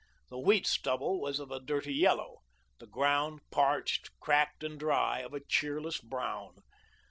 The wheat stubble was of a dirty yellow; the ground, parched, cracked, and dry, of a cheerless brown.